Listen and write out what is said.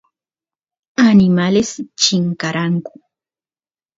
animales chinkaranku